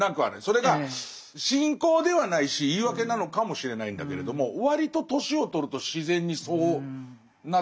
それが信仰ではないし言い訳なのかもしれないんだけれども割と年を取ると自然にそうなってきてるなとは思うんですけど。